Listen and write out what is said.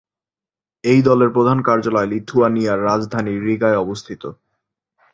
এই দলের প্রধান কার্যালয় লিথুয়ানিয়ার রাজধানী রিগায় অবস্থিত।